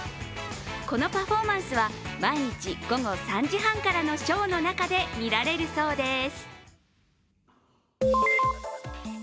このパフォーマンスは毎日午後３時半からのショーの中で見られるそうです。